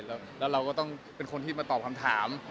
แล้วเราก็ต้องเป็นคนที่มาตอบคำถาม